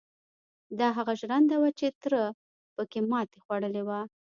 دا هغه ژرنده وه چې تره پکې ماتې خوړلې وه.